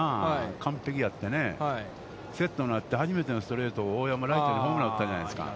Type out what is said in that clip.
完璧やってね、セットになって初めてのストレートを大山、ライトにホームラン打ったじゃないですか。